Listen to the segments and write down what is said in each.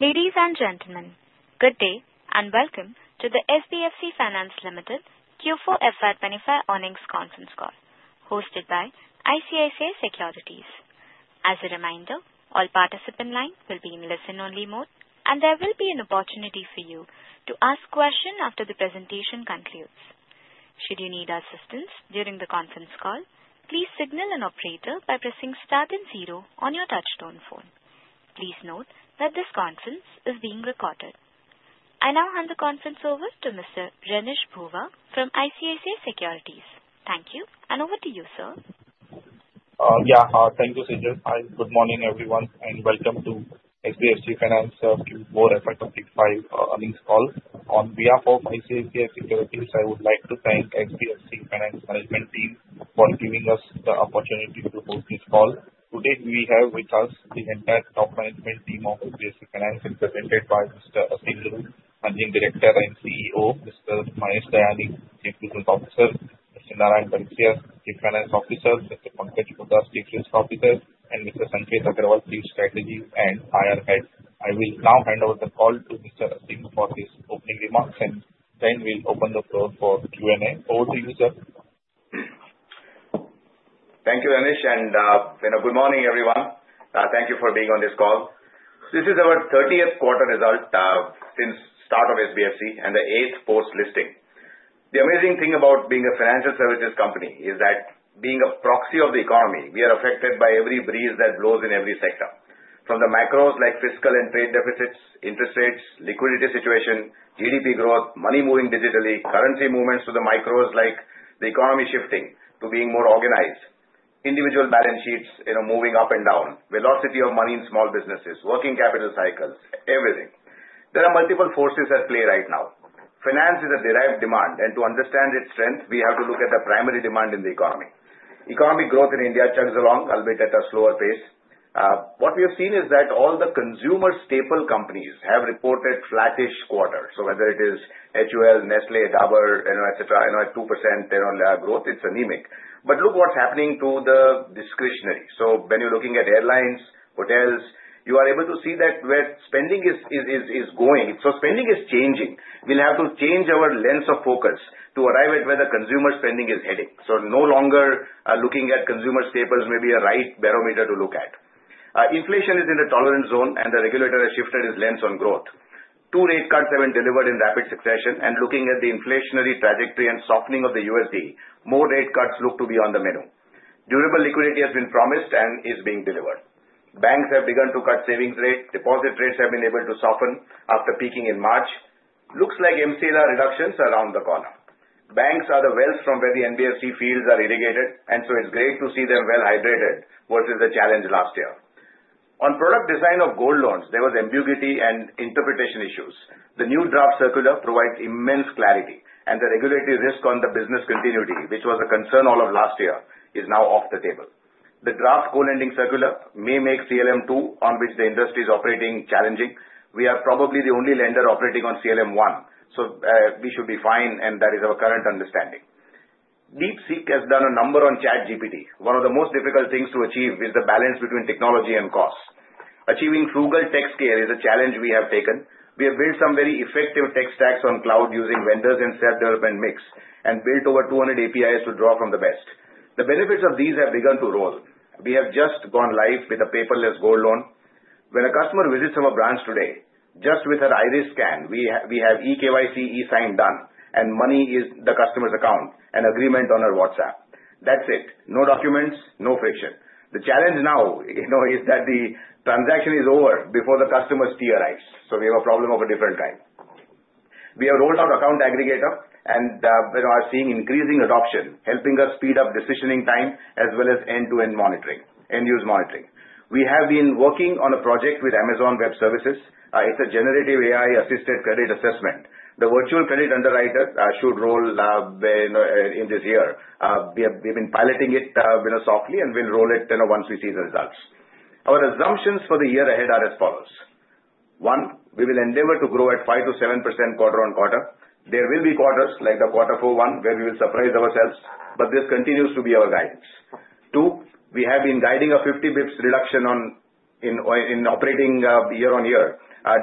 Ladies, and gentlemen, good day and welcome to the SBFC Finance Limited Q4 FY 2025 Earnings Conference Call, hosted by ICICI Securities. As a reminder, all participants in line will be in listen-only mode, and there will be an opportunity for you to ask a question after the presentation concludes. Should you need assistance during the conference call, please signal an operator by pressing star and zero on your touch-tone phone. Please note that this conference is being recorded. I now hand the conference over to Mr. Renish Bhuva from ICICI Securities. Thank you, and over to you, sir. Yeah, thank you, Sejal. Hi, good morning everyone, and welcome to SBFC Finance Q4 FY 2025 Earnings Call. On behalf of ICICI Securities, I would like to thank SBFC Finance management team for giving us the opportunity to host this call. Today we have with us the entire top management team of SBFC Finance, represented by Mr. Aseem Dhru, Managing Director and CEO, Mr. Mahesh Dayani, Chief Business Officer, Mr. Narayan Barasia, Chief Financial Officer, Mr. Pankaj Poddar, Chief Risk Officer, and Mr. Sanket Agrawal, Chief Strategy and IR Head. I will now hand over the call to Mr. Aseem for his opening remarks, and then we'll open the floor for Q&A. Over to you, sir. Thank you, Renish, and good morning everyone. Thank you for being on this call. This is our 30th quarter result since the start of SBFC and the eighth post-listing. The amazing thing about being a financial services company is that, being a proxy of the economy, we are affected by every breeze that blows in every sector. From the macros like fiscal and trade deficits, interest rates, liquidity situation, GDP growth, money moving digitally, currency movements to the micros like the economy shifting to being more organized, individual balance sheets moving up and down, velocity of money in small businesses, working capital cycles, everything. There are multiple forces at play right now. Finance is a derived demand, and to understand its strength, we have to look at the primary demand in the economy. Economic growth in India chugs along, albeit at a slower pace. What we have seen is that all the consumer staple companies have reported flattish quarters. So whether it is HUL, Nestlé, Dabur, et cetera, 2% growth, it's anemic. But look what's happening to the discretionary. So when you're looking at airlines, hotels, you are able to see that where spending is going. So spending is changing. We'll have to change our lens of focus to arrive at where the consumer spending is heading. So no longer looking at consumer staples may be a right barometer to look at. Inflation is in the tolerance zone, and the regulator has shifted its lens on growth. Two rate cuts have been delivered in rapid succession, and looking at the inflationary trajectory and softening of the USD, more rate cuts look to be on the menu. Durable liquidity has been promised and is being delivered. Banks have begun to cut savings rates. Deposit rates have been able to soften after peaking in March. Looks like MCLR reductions are around the corner. Banks are the wells from where the NBFC fields are irrigated, and so it's great to see them well hydrated versus the challenge last year. On product design of gold loans, there was ambiguity and interpretation issues. The new draft circular provides immense clarity, and the regulatory risk on the business continuity, which was a concern all of last year, is now off the table. The draft co-lending circular may make CLM2, on which the industry is operating, challenging. We are probably the only lender operating on CLM1, so we should be fine, and that is our current understanding. DeepSeek has done a number on ChatGPT. One of the most difficult things to achieve is the balance between technology and cost. Achieving frugal tech scale is a challenge we have taken. We have built some very effective tech stacks on cloud using vendors and self-development mix, and built over 200 APIs to draw from the best. The benefits of these have begun to roll. We have just gone live with a paperless gold loan. When a customer visits our branch today, just with her iris scan, we have e-KYC, e-Sign done, and money is in the customer's account, an agreement on her WhatsApp. That's it. No documents, no friction. The challenge now is that the transaction is over before the customer's tea arrives. So we have a problem of a different kind. We have rolled out Account Aggregator, and we are seeing increasing adoption, helping us speed up decisioning time as well as end-to-end monitoring, end-use monitoring. We have been working on a project with Amazon Web Services. It's a Generative AI-assisted credit assessment. The virtual credit underwriter should roll in this year. We have been piloting it softly, and we'll roll it once we see the results. Our assumptions for the year ahead are as follows. One, we will endeavor to grow at 5%-7% quarter-on-quarter. There will be quarters like the Q4 FY 2021, where we will surprise ourselves, but this continues to be our guidance. Two, we have been guiding a 50 basis points reduction in OPEX year-on-year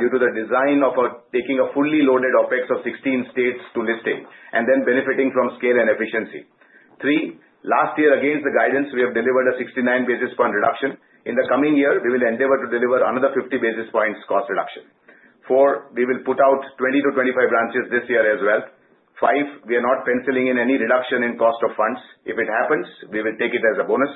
due to the design of taking a fully loaded OPEX of 16 states to listing, and then benefiting from scale and efficiency. Three, last year, against the guidance, we have delivered a 69 basis point reduction. In the coming year, we will endeavor to deliver another 50 basis points cost reduction. Four, we will put out 20-25 branches this year as well. Five, we are not penciling in any reduction in cost of funds. If it happens, we will take it as a bonus.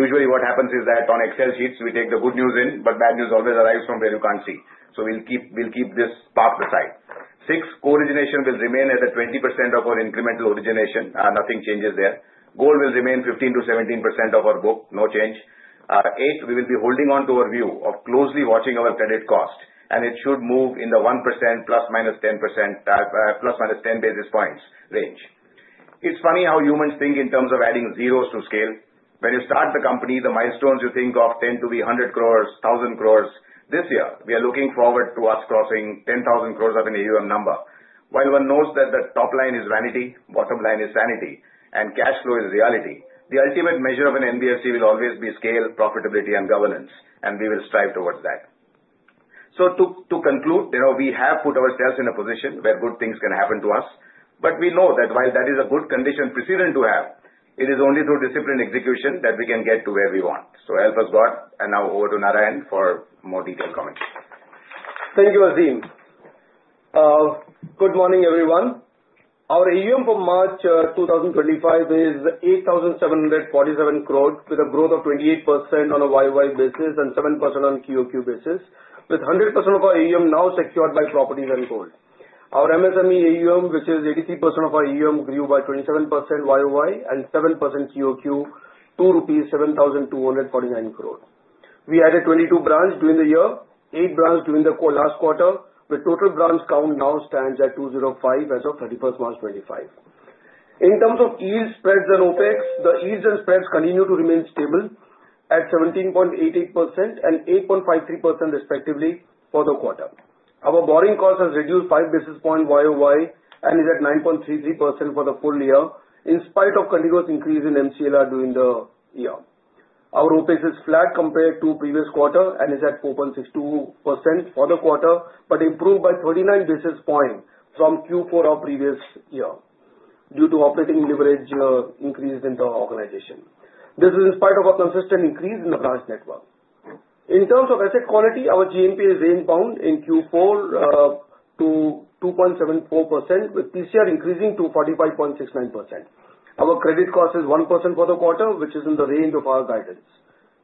Usually, what happens is that on Excel sheets, we take the good news in, but bad news always arrives from where you can't see. So we'll keep this path aside. Six, co-origination will remain at the 20% of our incremental origination. Nothing changes there. Gold will remain 15%-17% of our book. No change. Eight, we will be holding on to our view of closely watching our credit cost, and it should move in the 1% plus minus 10 basis points range. It's funny how humans think in terms of adding zeros to scale. When you start the company, the milestones you think of tend to be 100 crores, 1,000 crores. This year, we are looking forward to us crossing 10,000 crores of an AUM number. While one knows that the top line is vanity, bottom line is sanity, and cash flow is reality, the ultimate measure of an NBFC will always be scale, profitability, and governance, and we will strive towards that. So to conclude, we have put ourselves in a position where good things can happen to us, but we know that while that is a good condition precedent to have, it is only through discipline execution that we can get to where we want. So help us God, and now over to Narayan for more detailed comments. Thank you, Aseem. Good morning, everyone. Our AUM for March 2025 is 8,747 crores with a growth of 28% on a YoY basis and 7% on QoQ basis, with 100% of our AUM now secured by properties and gold. Our MSME AUM, which is 83% of our AUM, grew by 27% YoY and 7% QoQ, 7,249 crores. We added 22 branch during the year, eight branch during the last quarter, with total branch count now stands at 205 as of 31st March 2025. In terms of yield spreads and OPEX, the yields and spreads continue to remain stable at 17.88% and 8.53% respectively for the quarter. Our borrowing cost has reduced 5 basis points YoY and is at 9.33% for the full year, in spite of continuous increase in MCLR during the year. Our OPEX is flat compared to previous quarter and is at 4.62% for the quarter, but improved by 39 basis points from Q4 of previous year due to operating leverage increased in the organization. This is in spite of a consistent increase in the branch network. In terms of asset quality, our GNPA has rebounded in Q4 to 2.74%, with PCR increasing to 45.69%. Our credit cost is 1% for the quarter, which is in the range of our guidance.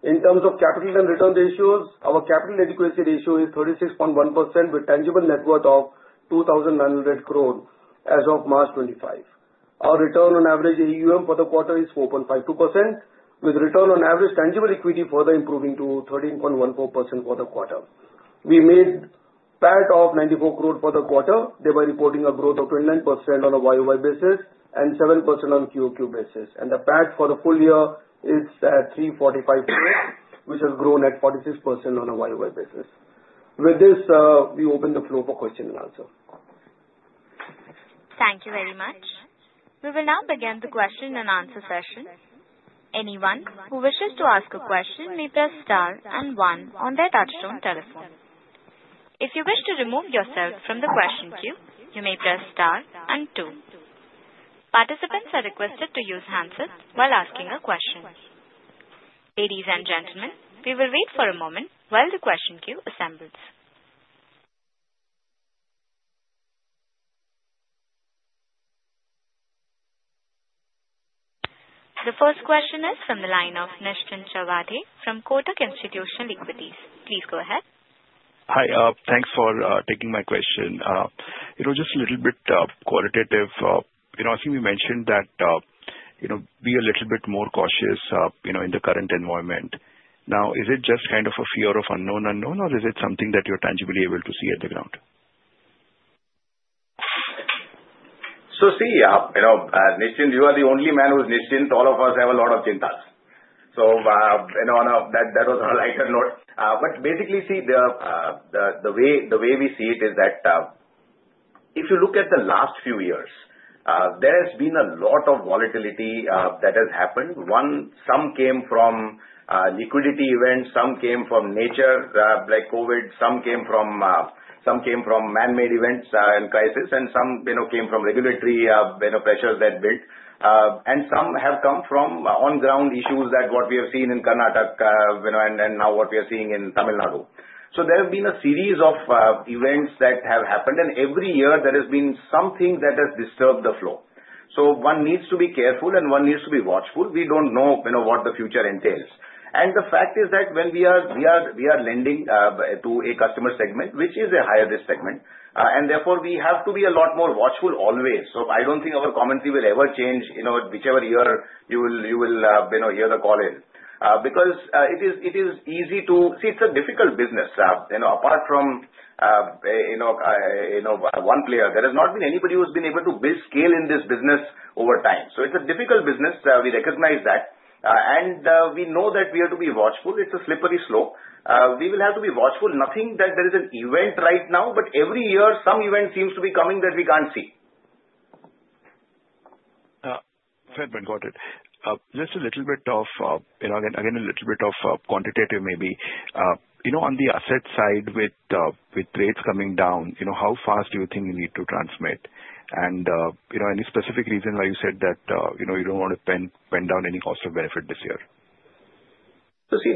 In terms of capital and return ratios, our capital adequacy ratio is 36.1%, with tangible net worth of 2,900 crores as of March 25. Our return on average AUM for the quarter is 4.52%, with return on average tangible equity further improving to 13.14% for the quarter. We made PAT of 94 crores for the quarter, thereby reporting a growth of 29% on a YOY basis and 7% on QOQ basis. And the PAT for the full year is 345 crores, which has grown at 46% on a YoY basis. With this, we open the floor for question and answer. Thank you very much. We will now begin the question and answer session. Anyone who wishes to ask a question may press star and one on their touch-tone telephone. If you wish to remove yourself from the question queue, you may press star and two. Participants are requested to use handsets while asking a question. Ladies and gentlemen, we will wait for a moment while the question queue assembles. The first question is from the line of Nischint Chawathe from Kotak Institutional Equities. Please go ahead. Hi, thanks for taking my question. Just a little bit qualitative. I think we mentioned that be a little bit more cautious in the current environment. Now, is it just kind of a fear of unknown unknown, or is it something that you're tangibly able to see on the ground? So, see, Nischint, you are the only man who's Nischint. All of us have a lot of think tanks. So that was our lighter note. But basically, see, the way we see it is that if you look at the last few years, there has been a lot of volatility that has happened. Some came from liquidity events, some came from nature like COVID, some came from man-made events and crisis, and some came from regulatory pressures that built. And some have come from on-ground issues than what we have seen in Karnataka and now what we are seeing in Tamil Nadu. So there have been a series of events that have happened, and every year there has been something that has disturbed the flow. So one needs to be careful, and one needs to be watchful. We don't know what the future entails. The fact is that when we are lending to a customer segment, which is a higher risk segment, and therefore we have to be a lot more watchful always. I don't think our commentary will ever change, whichever year you will hear the call in. It is easy to see; it's a difficult business. Apart from one player, there has not been anybody who's been able to build scale in this business over time. It's a difficult business. We recognize that. We know that we have to be watchful. It's a slippery slope. We will have to be watchful. Nothing that there is an event right now, but every year some event seems to be coming that we can't see. Fair point. Got it. Just a little bit of, again, a little bit of quantitative maybe. On the asset side, with rates coming down, how fast do you think you need to transmit? And any specific reason why you said that you don't want to pin down any cost-benefit this year? So, see,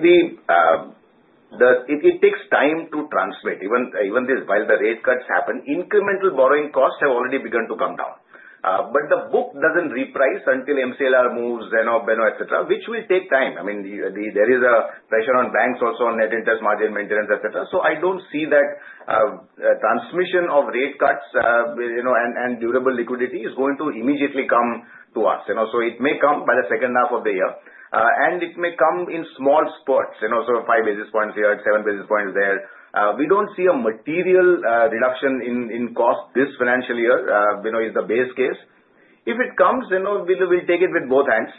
it takes time to transmit. Even while the rate cuts happen, incremental borrowing costs have already begun to come down. But the book doesn't reprice until MCLR moves, repo, tenor, et cetera, which will take time. I mean, there is a pressure on banks also on net interest margin maintenance, etc., so I don't see that transmission of rate cuts and durable liquidity is going to immediately come to us, so it may come by the second half of the year, and it may come in small spurts, so five basis points here, seven basis points there. We don't see a material reduction in cost this financial year. Is the base case. If it comes, we'll take it with both hands,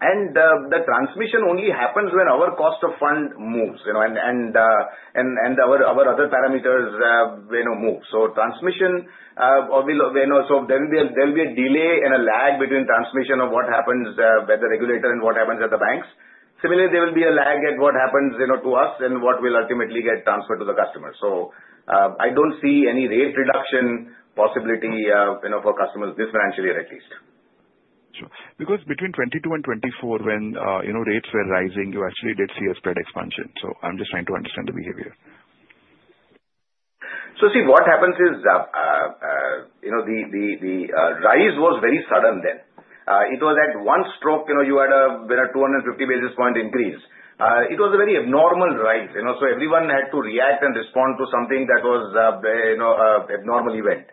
and the transmission only happens when our cost of fund moves and our other parameters move. So, transmission. So there will be a delay and a lag between transmission of what happens by the regulator and what happens at the banks. Similarly, there will be a lag at what happens to us and what will ultimately get transferred to the customers. So I don't see any rate reduction possibility for customers this financial year at least. Sure. Because between 2022 and 2024, when rates were rising, you actually did see a spread expansion. So I'm just trying to understand the behavior. See, what happens is the rise was very sudden then. It was at one stroke, you had a 250 basis points increase. It was a very abnormal rise. Everyone had to react and respond to something that was an abnormal event.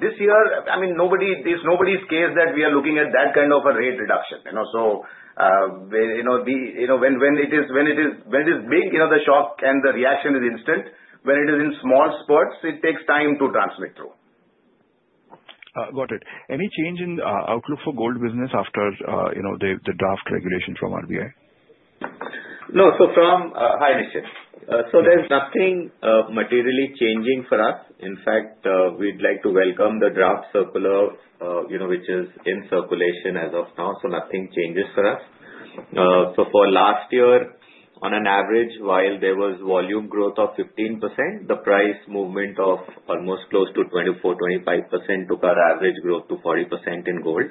This year, I mean, it's nobody's case that we are looking at that kind of a rate reduction. When it is big, the shock and the reaction is instant. When it is in small spurts, it takes time to transmit through. Got it. Any change in outlook for gold business after the draft regulation from RBI? No. So, hi Nischint. So there's nothing materially changing for us. In fact, we'd like to welcome the draft circular, which is in circulation as of now, so nothing changes for us. So for last year, on an average, while there was volume growth of 15%, the price movement of almost close to 24%, 25% took our average growth to 40% in gold.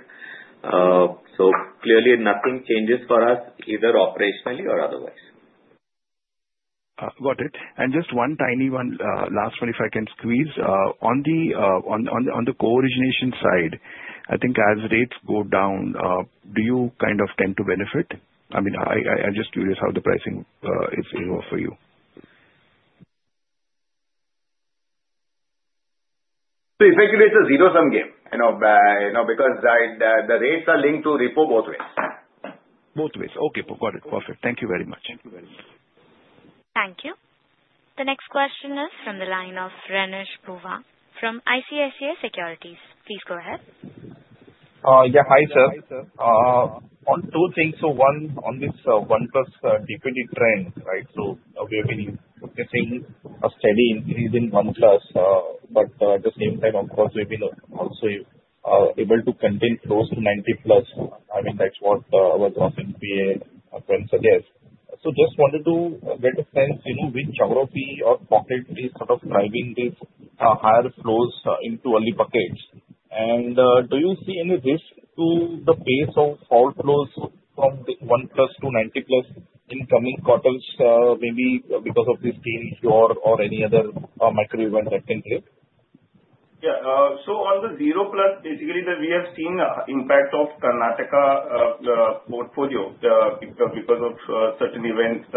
So clearly, nothing changes for us either operationally or otherwise. Got it and just one tiny one, last one if I can squeeze. On the co-origination side, I think as rates go down, do you kind of tend to benefit? I mean, I'm just curious how the pricing is for you. Effectively, it's a zero-sum game because the rates are linked to repo both ways. Both ways. Okay. Got it. Perfect. Thank you very much. Thank you very much. Thank you. The next question is from the line of Renish Bhuva from ICICI Securities. Please go ahead. Yeah. Hi, sir. On two things. So one, on this 1+ DPD trend, right? So we have been witnessing a steady increase in 1+, but at the same time, of course, we've been also able to contain flows to 90+. I mean, that's what our gross NPA trend suggests. So just wanted to get a sense which ROP or pocket is sort of driving these higher flows into early buckets. And do you see any risk to the pace of outflows from 1+ to 90+ in coming quarters, maybe because of this Tamil Nadu or any other macro event that can play? Yeah. So, on the zero plus, basically, we are seeing impact of Karnataka portfolio because of certain events,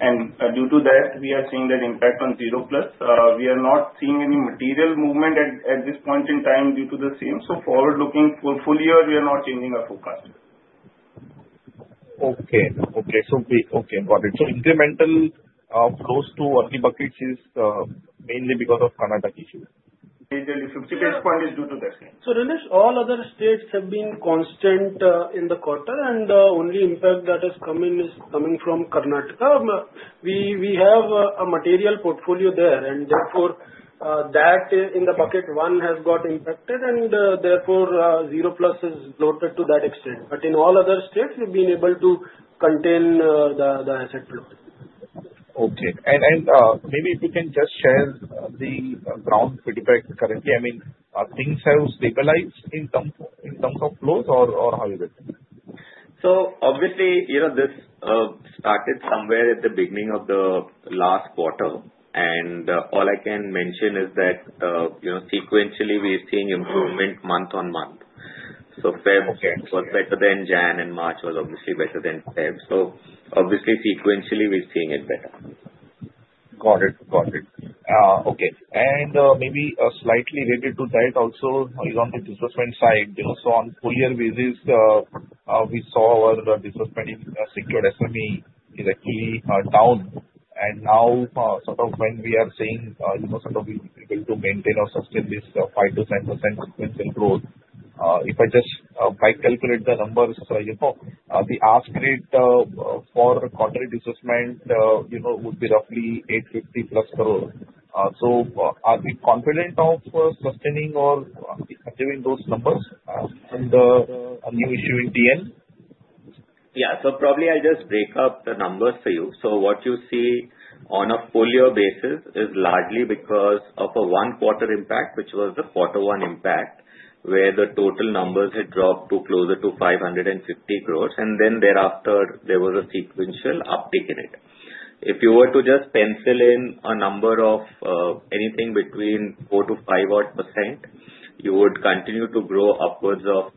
and due to that, we are seeing that impact on zero plus. We are not seeing any material movement at this point in time due to the same, so forward looking, full year, we are not changing our focus. Okay. Got it. So incremental flows to early buckets is mainly because of Karnataka issue? Major issue. 50 basis points is due to that same. So, Renish, all other states have been constant in the quarter, and the only impact that has come in is coming from Karnataka. We have a material portfolio there, and therefore that in the bucket one has got impacted, and therefore zero plus is noted to that extent. But in all other states, we've been able to contain the asset flow. Okay. Maybe if you can just share the ground feedback currently. I mean, things have stabilized in terms of flows or how is it? So obviously, this started somewhere at the beginning of the last quarter, and all I can mention is that sequentially, we are seeing improvement month on month. So February was better than January, and March was obviously better than February. So obviously, sequentially, we're seeing it better. Got it. Got it. Okay. And maybe slightly related to that, also on the disbursement side. So on full year basis, we saw our disbursement in secured MSME is actually down. And now sort of when we are seeing sort of being able to maintain or sustain this 5%-7% sequential growth, if I just calculate the numbers, the ask rate for quarterly disbursement would be roughly 850+ crores. So are we confident of sustaining or achieving those numbers and an issue in TN? Yeah. So probably I'll just break up the numbers for you. So what you see on a full year basis is largely because of a one-quarter impact, which was the quarter one impact, where the total numbers had dropped to closer to 550 crores. And then thereafter, there was a sequential uptick in it. If you were to just pencil in a number of anything between 4%-5%-odd, you would continue to grow upwards of 20%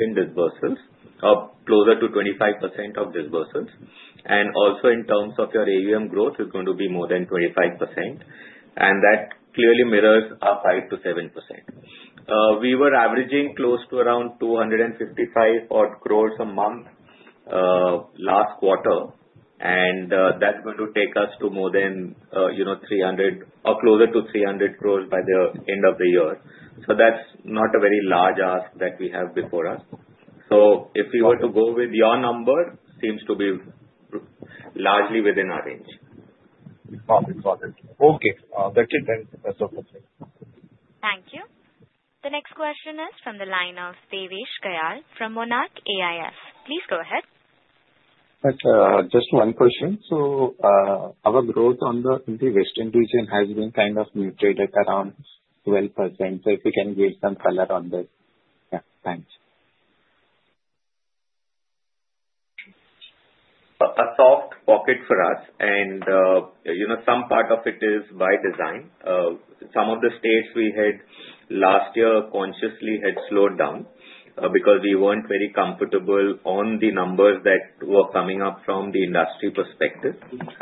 in disbursements, closer to 25% of disbursements. And also in terms of your AUM growth, it's going to be more than 25%. And that clearly mirrors up 5%-7%. We were averaging close to around 255 odd crores a month last quarter, and that's going to take us to more than 300 or closer to 300 crores by the end of the year. So that's not a very large ask that we have before us. So if you were to go with your number, seems to be largely within our range. Got it. Got it. Okay. That's it then. That's all for today. Thank you. The next question is from the line of Devesh Kayal from Monarch AIF. Please go ahead. Just one question. So our growth in the Western region has been kind of muted around 12%. So if you can give some color on that? Yeah. Thanks. A soft pocket for us, and some part of it is by design. Some of the states we had last year consciously had slowed down because we weren't very comfortable on the numbers that were coming up from the industry perspective.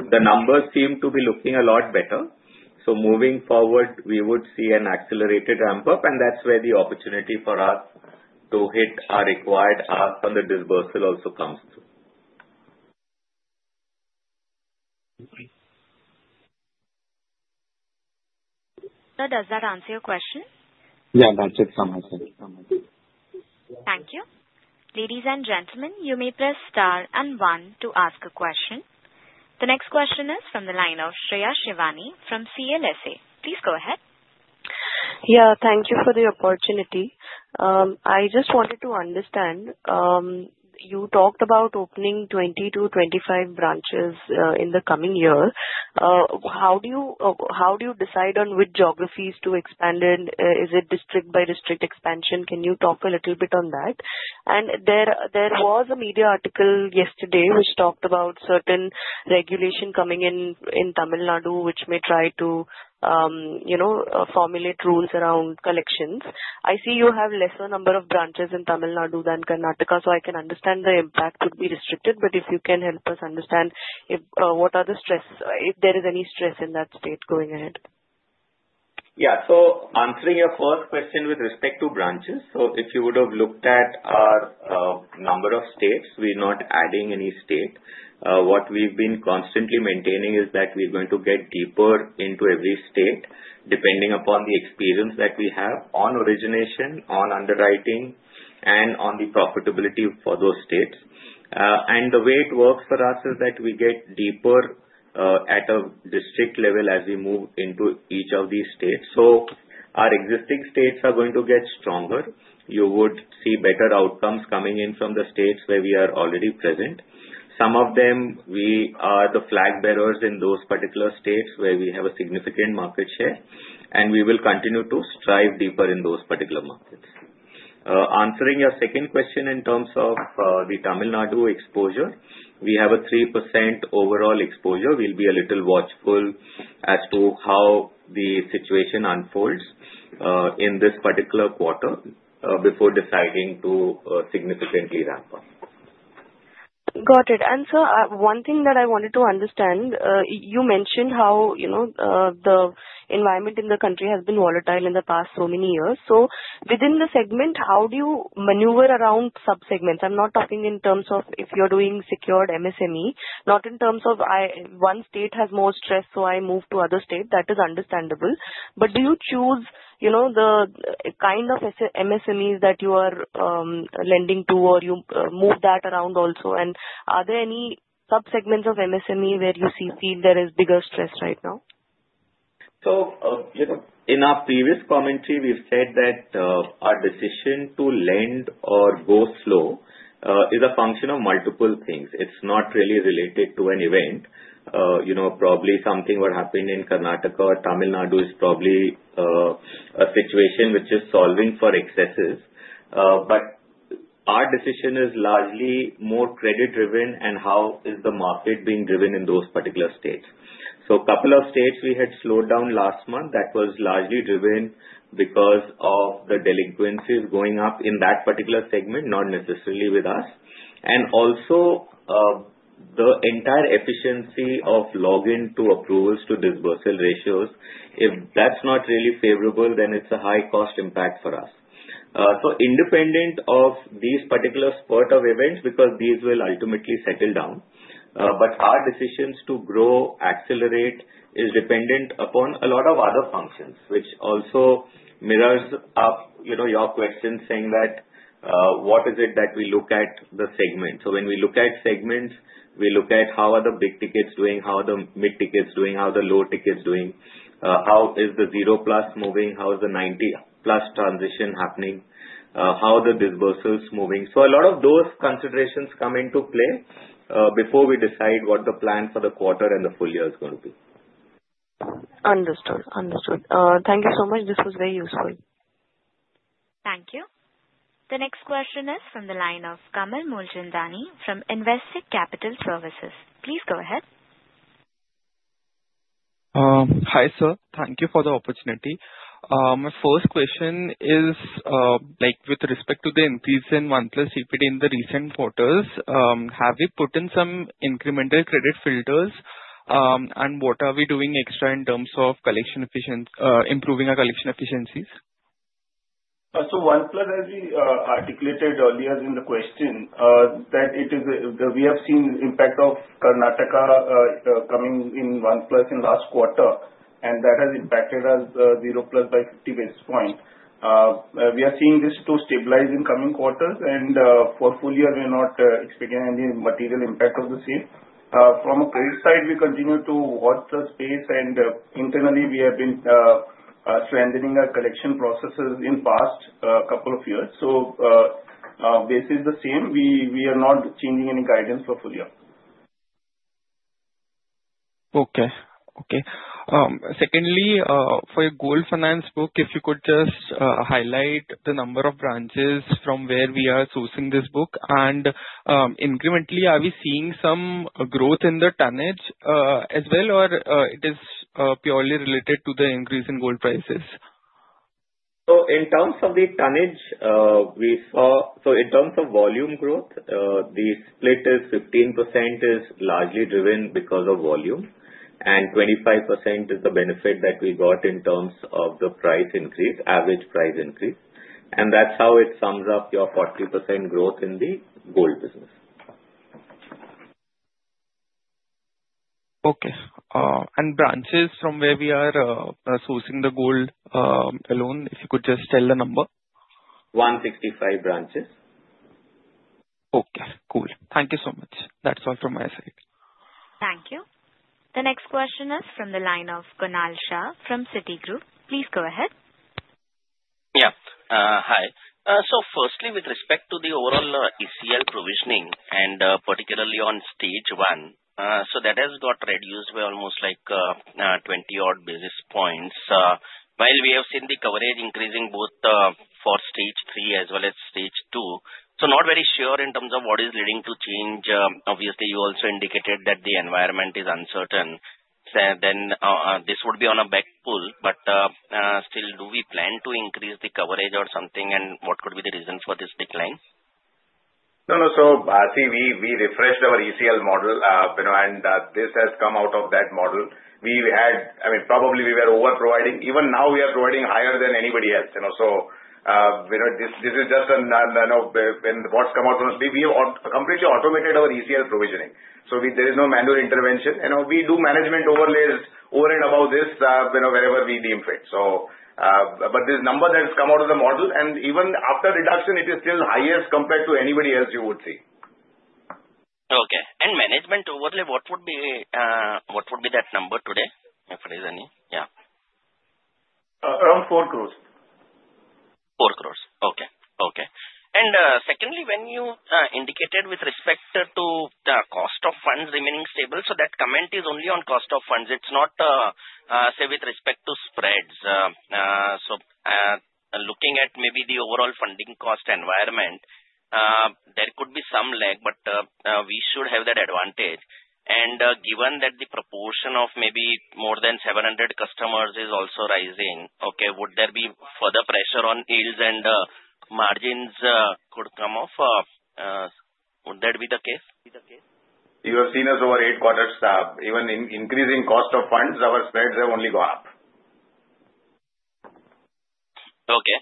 The numbers seem to be looking a lot better. So moving forward, we would see an accelerated ramp-up, and that's where the opportunity for us to hit our required ask on the disbursement also comes through. So does that answer your question? Yeah. That's it. Some answer. Thank you. Ladies and gentlemen, you may press star and one to ask a question. The next question is from the line of Shreya Shivani from CLSA. Please go ahead. Yeah. Thank you for the opportunity. I just wanted to understand. You talked about opening 20-25 branches in the coming year. How do you decide on which geographies to expand in? Is it district by district expansion? Can you talk a little bit on that? And there was a media article yesterday which talked about certain regulation coming in Tamil Nadu, which may try to formulate rules around collections. I see you have a lesser number of branches in Tamil Nadu than Karnataka, so I can understand the impact would be restricted. But if you can help us understand what are the stress, if there is any stress in that state going ahead. Yeah. So, answering your first question with respect to branches, so if you would have looked at our number of states, we're not adding any state. What we've been constantly maintaining is that we're going to get deeper into every state, depending upon the experience that we have on origination, on underwriting, and on the profitability for those states. And the way it works for us is that we get deeper at a district level as we move into each of these states. So our existing states are going to get stronger. You would see better outcomes coming in from the states where we are already present. Some of them, we are the flag bearers in those particular states where we have a significant market share, and we will continue to strive deeper in those particular markets. Answering your second question in terms of the Tamil Nadu exposure, we have a 3% overall exposure. We'll be a little watchful as to how the situation unfolds in this particular quarter before deciding to significantly ramp up. Got it. And so one thing that I wanted to understand, you mentioned how the environment in the country has been volatile in the past so many years. So within the segment, how do you maneuver around subsegments? I'm not talking in terms of if you're doing secured MSME, not in terms of one state has more stress, so I move to other state. That is understandable. But do you choose the kind of MSMEs that you are lending to, or you move that around also? And are there any subsegments of MSME where you see there is bigger stress right now? So in our previous commentary, we've said that our decision to lend or go slow is a function of multiple things. It's not really related to an event. Probably something what happened in Karnataka or Tamil Nadu is probably a situation which is solving for excesses. But our decision is largely more credit-driven and how is the market being driven in those particular states. So a couple of states we had slowed down last month, that was largely driven because of the delinquencies going up in that particular segment, not necessarily with us. And also the entire efficiency of login to approvals to disbursement ratios, if that's not really favorable, then it's a high-cost impact for us. So independent of these particular spurt of events, because these will ultimately settle down. But our decisions to grow, accelerate are dependent upon a lot of other functions, which also mirrors your question saying that what is it that we look at the segment. So when we look at segments, we look at how the big tickets are doing, how the mid tickets are doing, how the low tickets are doing, how the zero plus is moving, how the 90 plus transition is happening, how the disbursements are moving. So a lot of those considerations come into play before we decide what the plan for the quarter and the full year is going to be. Understood. Understood. Thank you so much. This was very useful. Thank you. The next question is from the line of Kamal Mulchandani from Investec Capital Services. Please go ahead. Hi, sir. Thank you for the opportunity. My first question is with respect to the increase in 1+ DPD in the recent quarters. Have we put in some incremental credit filters, and what are we doing extra in terms of improving our collection efficiencies? So one plus, as we articulated earlier in the question, that we have seen the impact of Karnataka coming in one plus in last quarter, and that has impacted us zero plus by 50 basis points. We are seeing this to stabilize in coming quarters, and for full year, we're not expecting any material impact of the same. From a credit side, we continue to watch the space, and internally, we have been strengthening our collection processes in the past couple of years. So this is the same. We are not changing any guidance for full year. Okay. Secondly, for your gold finance book, if you could just highlight the number of branches from where we are sourcing this book, and incrementally, are we seeing some growth in the tonnage as well, or it is purely related to the increase in gold prices? In terms of volume growth, the split is 15% is largely driven because of volume, and 25% is the benefit that we got in terms of the price increase, average price increase. That's how it sums up your 40% growth in the gold business. Okay. And branches from where we are sourcing the gold loan, if you could just tell the number? 165 branches. Okay. Cool. Thank you so much. That's all from my side. Thank you. The next question is from the line of Kunal Shah from Citigroup. Please go ahead. Yeah. Hi. So firstly, with respect to the overall ECL provisioning, and particularly on stage one, so that has got reduced by almost like 20 odd basis points. While we have seen the coverage increasing both for stage three as well as stage two, so not very sure in terms of what is leading to change. Obviously, you also indicated that the environment is uncertain. So then this would be on a backfoot, but still, do we plan to increase the coverage or something, and what could be the reason for this decline? No, no. So see, we refreshed our ECL model, and this has come out of that model. We had, I mean, probably we were overproviding. Even now, we are providing higher than anybody else. So this is just what's come out from us. We have completely automated our ECL provisioning. So there is no manual intervention. We do management overlays over and above this whenever we deem fit. But this number that has come out of the model, and even after reduction, it is still highest compared to anybody else you would see. Okay, and management overlay, what would be that number today, if there is any? Yeah. Around 4 crores. 4 crores. Okay. Okay. And secondly, when you indicated with respect to cost of funds remaining stable, so that comment is only on cost of funds. It's not, say, with respect to spreads. So looking at maybe the overall funding cost environment, there could be some lag, but we should have that advantage. And given that the proportion of maybe more than 700 customers is also rising, okay, would there be further pressure on yields and margins could come off? Would that be the case? You have seen us over eight quarters, even increasing cost of funds, our spreads have only gone up. Okay.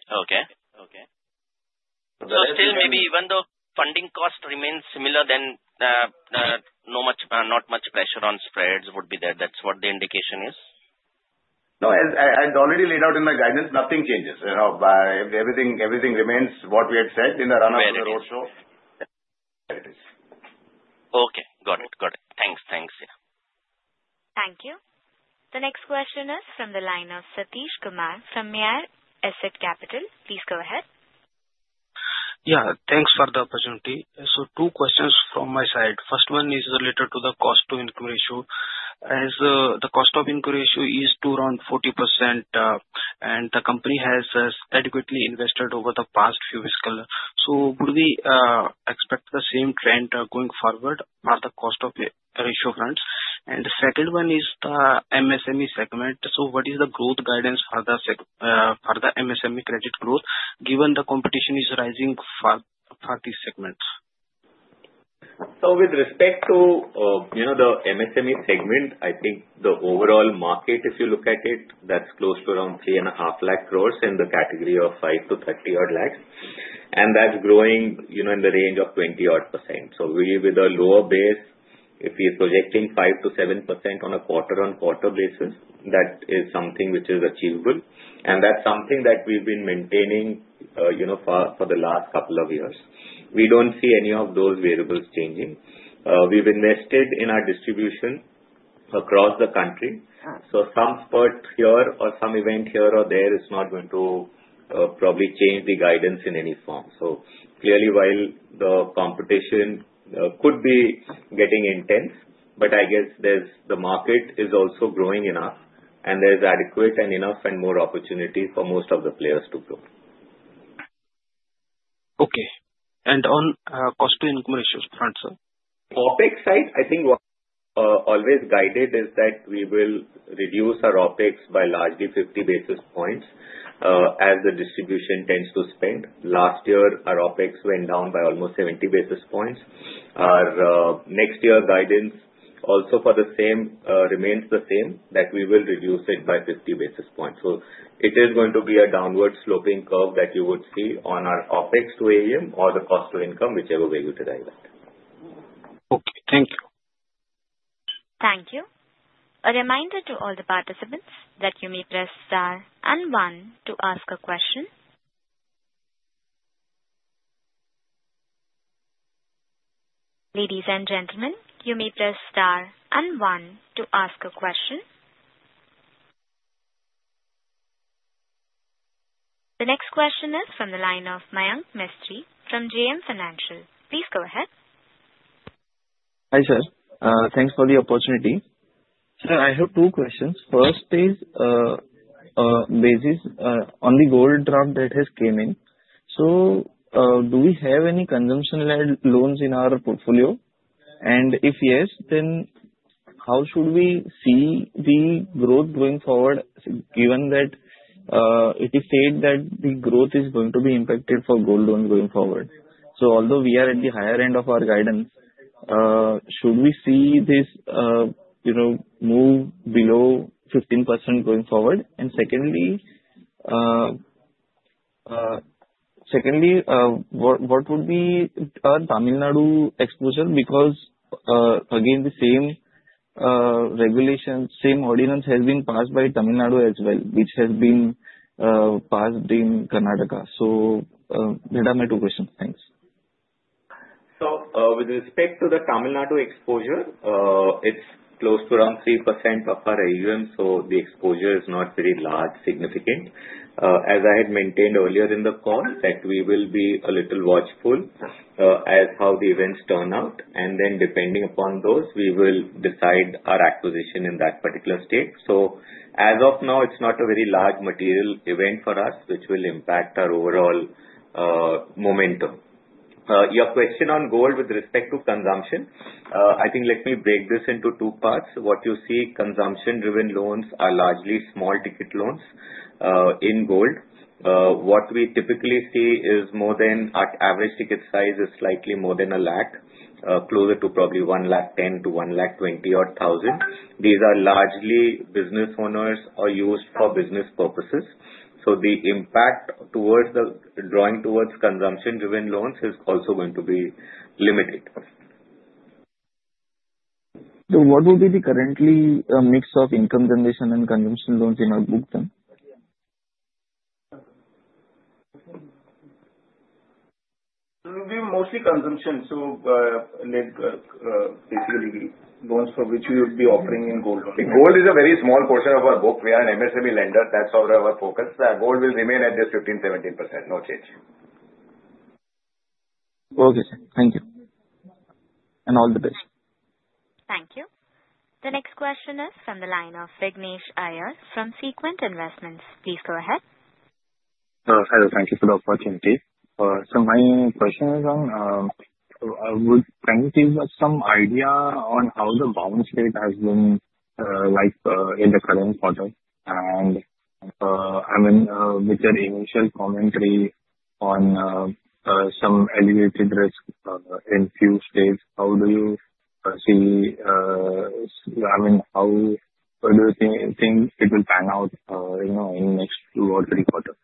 So still, maybe even though funding cost remains similar, then not much pressure on spreads would be there. That's what the indication is? No. As already laid out in the guidance, nothing changes. Everything remains what we had said in the run-up to the roadshow. It is. Okay. Got it. Got it. Thanks. Thanks. Yeah. Thank you. The next question is from the line of Satish Kumar from Mirae Asset Capital Markets. Please go ahead. Yeah. Thanks for the opportunity. So two questions from my side. First one is related to the cost to income ratio. The cost to income ratio is at around 40%, and the company has adequately invested over the past few fiscal years. So would we expect the same trend going forward on the cost to income ratio trends? And the second one is the MSME segment. So what is the growth guidance for the MSME credit growth, given the competition is rising for these segments? So with respect to the MSME segment, I think the overall market, if you look at it, that's close to around 3.5 lakh crores in the category of 5 lakh-30-odd lakhs, and that's growing in the range of 20%-odd. So with a lower base, if we are projecting 5%-7% on a quarter-on-quarter basis, that is something which is achievable. And that's something that we've been maintaining for the last couple of years. We don't see any of those variables changing. We've invested in our distribution across the country. So some spurt here or some event here or there is not going to probably change the guidance in any form. So clearly, while the competition could be getting intense, but I guess the market is also growing enough, and there's adequate and enough and more opportunity for most of the players to grow. Okay. And on the cost to income ratio front, sir? OPEX side, I think what always guided is that we will reduce our OPEX by largely 50 basis points as the distribution tends to expand. Last year, our OPEX went down by almost 70 basis points. Our next year guidance also for the same remains the same, that we will reduce it by 50 basis points. So it is going to be a downward sloping curve that you would see on our OPEX to AUM or the cost to income, whichever way you derive that. Okay. Thank you. Thank you. A reminder to all the participants that you may press star and one to ask a question. Ladies and gentlemen, you may press star and one to ask a question. The next question is from the line of Mayank Mistry from JM Financial. Please go ahead. Hi, sir. Thanks for the opportunity. Sir, I have two questions. First is based on the gold draft that has come in. So do we have any consumption-led loans in our portfolio? And if yes, then how should we see the growth going forward, given that it is said that the growth is going to be impacted for gold loans going forward? So although we are at the higher end of our guidance, should we see this move below 15% going forward? And secondly, what would be our Tamil Nadu exposure? Because again, the same regulation, same ordinance has been passed by Tamil Nadu as well, which has been passed in Karnataka. So those are my two questions. Thanks. With respect to the Tamil Nadu exposure, it's close to around 3% of our AUM, so the exposure is not very large significant. As I had maintained earlier in the call, that we will be a little watchful as how the events turn out, and then depending upon those, we will decide our acquisition in that particular state. As of now, it's not a very large material event for us, which will impact our overall momentum. Your question on gold with respect to consumption, I think let me break this into two parts. What you see, consumption-driven loans are largely small ticket loans in gold. What we typically see is more than our average ticket size is slightly more than a lakh, closer to probably 110,000-120,000-odd. These are largely business owners or used for business purposes. So the impact towards the drawing towards consumption-driven loans is also going to be limited. So what would be the current mix of income generation and consumption loans in our book then? It will be mostly consumption. So basically, loans for which we would be offering in gold. The gold is a very small portion of our book. We are an MSME lender. That's all our focus. The gold will remain at this 15%-17%. No change. Okay, sir. Thank you. And all the best. Thank you. The next question is from the line of Vignesh Iyer from Sequent Investments. Please go ahead. Hello. Thank you for the opportunity. So, my question is, would you give us some idea on how the bounce rate has been in the current quarter? And, I mean, with your initial commentary on some elevated risk in a few states, how do you see, I mean, how do you think it will pan out in the next two or three quarters?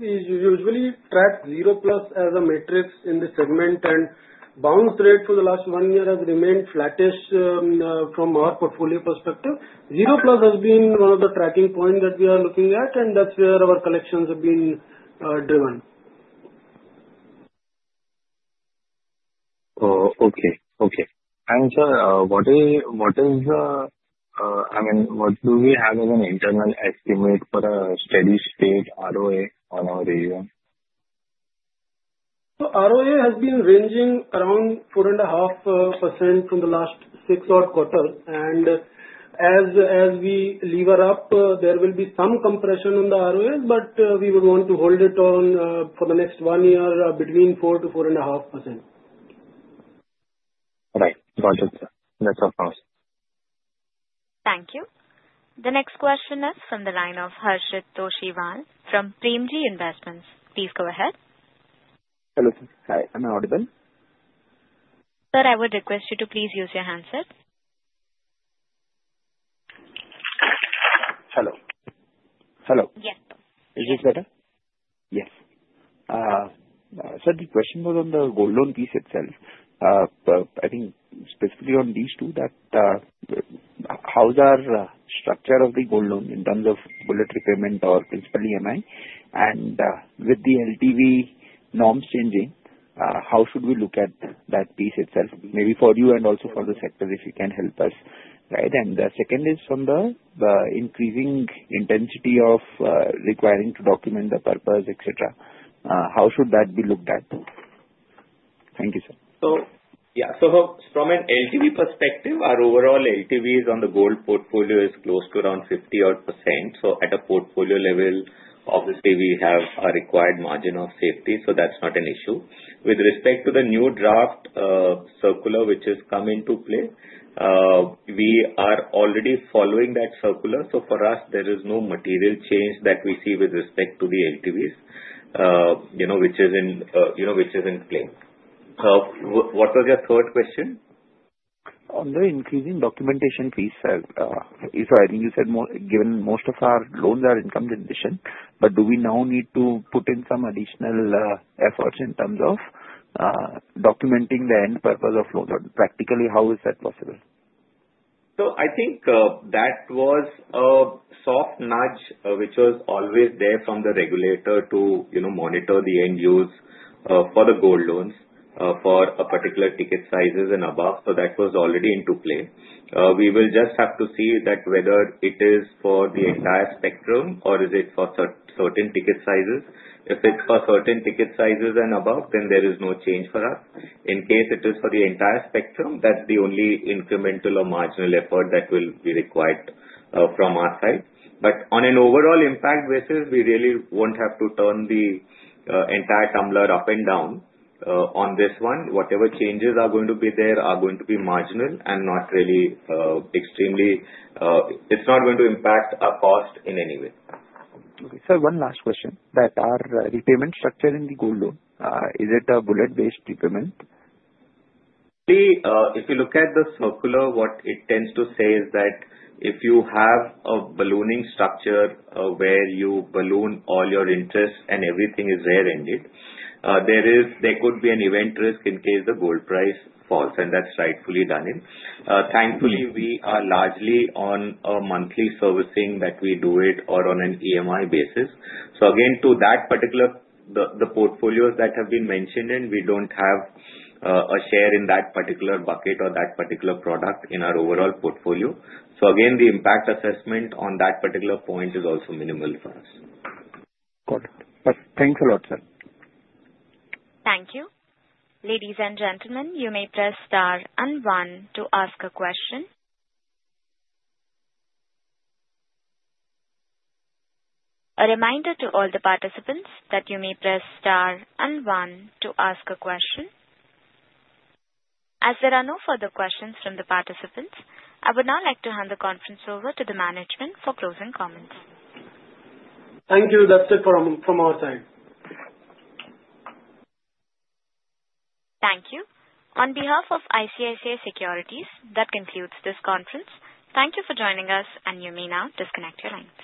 We usually track zero plus as a metric in the segment, and bounce rate for the last one year has remained flattish from our portfolio perspective. Zero plus has been one of the tracking points that we are looking at, and that's where our collections have been driven. And sir, what is the, I mean, what do we have as an internal estimate for a steady state ROA on our AUM? ROA has been ranging around 4.5% from the last six odd quarters. As we lever up, there will be some compression on the ROAs, but we would want to hold it on for the next one year between 4%-4.5%. Right. Got it. That's all from us. Thank you. The next question is from the line of Harshit Toshniwal from Premji Investments. Please go ahead. Hello, sir. Hi. Am I audible? Sir, I would request you to please use your hand, sir. Hello. Hello. Yes. Is this better? Yes. Sir, the question was on the gold loan piece itself. I think specifically on these two that how's our structure of the gold loan in terms of bullet repayment or principal EMI? And with the LTV norms changing, how should we look at that piece itself? Maybe for you and also for the sector, if you can help us. Right? And the second is from the increasing intensity of requiring to document the purpose, etc. How should that be looked at? Thank you, sir. So yeah. So from an LTV perspective, our overall LTVs on the gold portfolio is close to around 50%-odd. So at a portfolio level, obviously, we have a required margin of safety, so that's not an issue. With respect to the new draft circular which has come into play, we are already following that circular. So for us, there is no material change that we see with respect to the LTVs, which is in play. What was your third question? On the increasing documentation fees, sir, so I think you said given most of our loans are income generation, but do we now need to put in some additional efforts in terms of documenting the end purpose of loans? Practically, how is that possible? So I think that was a soft nudge, which was always there from the regulator to monitor the end use for the gold loans for a particular ticket sizes and above. So that was already into play. We will just have to see that whether it is for the entire spectrum or is it for certain ticket sizes. If it's for certain ticket sizes and above, then there is no change for us. In case it is for the entire spectrum, that's the only incremental or marginal effort that will be required from our side. But on an overall impact basis, we really won't have to turn the entire tumbler up and down on this one. Whatever changes are going to be there are going to be marginal and not really extremely. It's not going to impact our cost in any way. Okay. Sir, one last question. That our repayment structure in the gold loan, is it a bullet-based repayment? If you look at the circular, what it tends to say is that if you have a ballooning structure where you balloon all your interests and everything is rear-ended, there could be an event risk in case the gold price falls, and that's rightfully done. Thankfully, we are largely on a monthly servicing that we do it or on an EMI basis. So again, to that particular the portfolios that have been mentioned in, we don't have a share in that particular bucket or that particular product in our overall portfolio. So again, the impact assessment on that particular point is also minimal for us. Got it. Thanks a lot, sir. Thank you. Ladies and gentlemen, you may press star and one to ask a question. A reminder to all the participants that you may press star and one to ask a question. As there are no further questions from the participants, I would now like to hand the conference over to the management for closing comments. Thank you. That's it from our side. Thank you. On behalf of ICICI Securities, that concludes this conference. Thank you for joining us, and you may now disconnect your line.